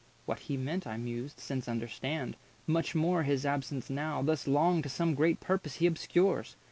What he meant I mused— Since understand; much more his absence now 100 Thus long to some great purpose he obscures.